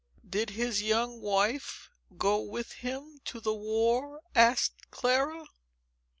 "Did his young wife go with him to the war?" asked Clara.